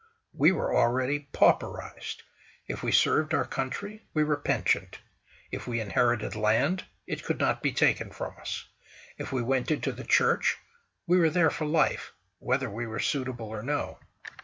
We were already pauperised. If we served our country, we were pensioned.... If we inherited land, it could not be taken from us. If we went into the Church, we were there for life, whether we were suitable or no.